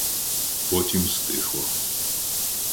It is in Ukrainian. Потім стихло.